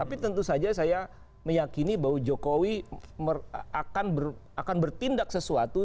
tapi tentu saja saya meyakini bahwa jokowi akan bertindak sesuatu